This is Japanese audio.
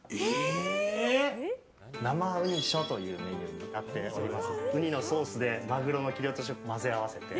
生うにしょというメニューになっております。